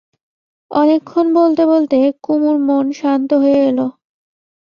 অনেকক্ষণ বলতে বলতে কুমুর মন শান্ত হয়ে এল।